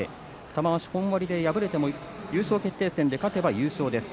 玉鷲、本割で敗れても優勝決定戦で勝てば優勝です。